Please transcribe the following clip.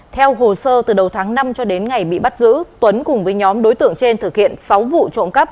theo hồ sơ từ đầu tháng năm cho đến ngày bị bắt giữ tuấn cùng với nhóm đối tượng trên thực hiện sáu vụ trộm cắp